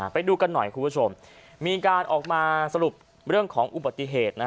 ไปดูกันหน่อยคุณผู้ชมมีการออกมาสรุปเรื่องของอุบัติเหตุ